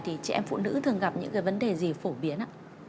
thì chị em phụ nữ thường gặp những vấn đề gì phổ biến